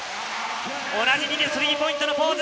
おなじみのスリーポイントのポーズ。